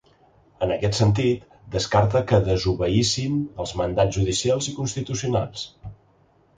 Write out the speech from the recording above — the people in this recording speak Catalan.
En aquest sentit, descarta que desobeïssin els mandats judicials i constitucionals.